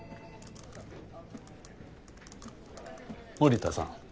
森田さん